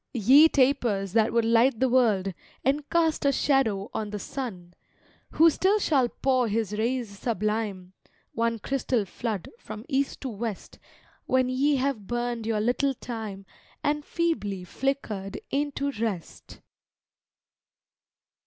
Ye tapers, that would light the world, And cast a shadow on the Sun Who still shall pour His rays sublime, One crystal flood, from East to West, When ye have burned your little time And feebly flickered into rest!